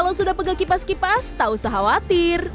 jika sudah pegal kipas kipas tidak usah khawatir